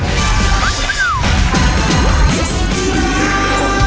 สวัสดีครับ